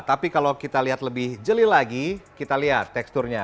tapi kalau kita lihat lebih jeli lagi kita lihat teksturnya